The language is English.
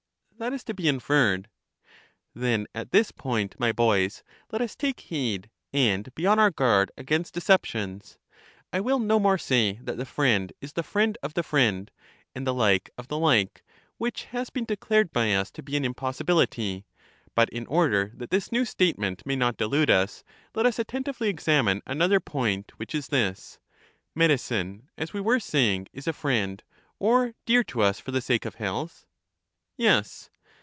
That is to be inferred. Then at this point, my boys, let us take heed, and be on our guard against deceptions. I will no more say that the friend is the friend of the friend, and the like of the like, which has been declared by us to be an impossibility ; but, in order that this new statement may not delude us, let us attentively examine another point, which is this: medicine, as we were saying, is a friend, or dear to us for the sake of health? Yes.